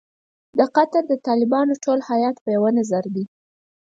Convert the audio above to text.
د قطر د طالبانو ټول هیات په یوه نظر دی.